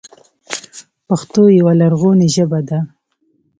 پښتو یوه لرغونې ژبه ده.